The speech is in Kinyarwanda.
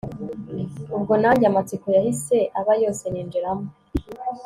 ubwo nanjye amatsiko yahise aba yose ninjiramo